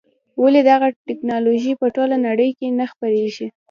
ولې دغه ټکنالوژي په ټوله نړۍ کې نه خپرېږي.